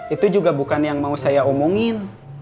itu juga bukan yang mau saya omongin